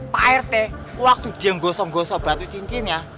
pak rete waktu dia yang gosok gosok batu cincinnya